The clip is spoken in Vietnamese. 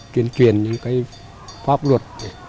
chuyên truyền những cái pháp luật